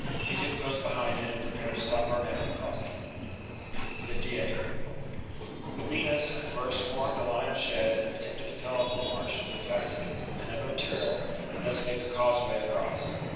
he took post behind it and prepared to stop our men from crossing.^ Finding his 58. Labienus at first formed a line of sheds hTcrosser ' and attempted to fill up the marsh with fascines Metiosedum and Other material and thus make a causeway marches for across.